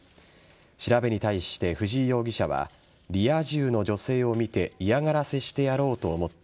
調べに対して、藤井容疑者はリア充の女性を見て嫌がらせしてやろうと思った。